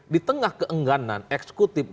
di tengah keengganan eksekutif